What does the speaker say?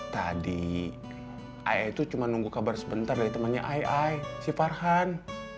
tadi ai ai tuh cuma nunggu kabar sebentar dari temennya ai ai si farhan